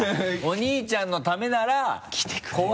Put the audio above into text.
お兄ちゃんのためなら来てくれる。